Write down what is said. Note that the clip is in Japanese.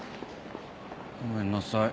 ごめんなさい。